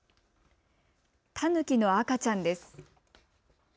たぬきの赤ちゃんです。